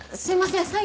すいません。